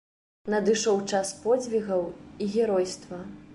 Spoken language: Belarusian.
Надышоў час подзвігаў і геройства.